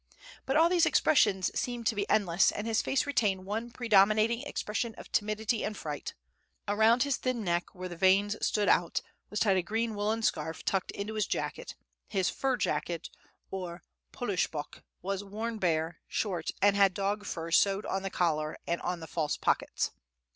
But all these expressions seemed to be endless, and his face retained one predominating expression of timidity and fright. Around his thin neck, where the veins stood out, was tied a green woollen scarf tucked into his jacket, his fur jacket, or polushubok, was worn bare, short, and had dog fur sewed on the collar and on the false pockets.